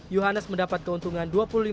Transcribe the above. johannes mendapat keuntungan